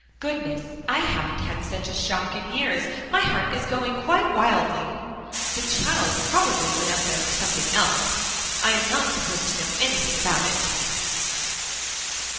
"Goodness! I haven't had such a shock in years. My heart is going quite wildly. The child probably went up there for something else; I am not supposed to know anything about it."